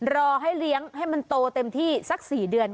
รอให้เลี้ยงให้มันโตเต็มที่สัก๔เดือน